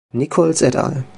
Nichols et al.